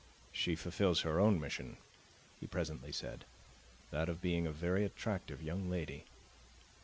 "She fulfills her own mission," he presently said; "that of being a very attractive young lady."